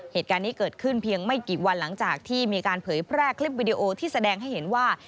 เหตุการณ์นี้เกิดขึ้นเพียงไม่กี่วันหลังจากที่มีการเผยแพร่คลิปวิดีโอที่แสดงให้เห็นว่า